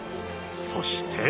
そして。